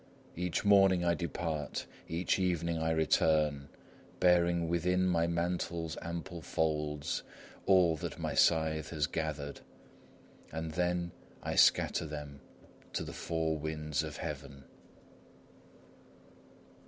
Each morning I depart, each evening I return, bearing within my mantle's ample folds all that my scythe has gathered. And then I scatter them to the four winds of Heaven!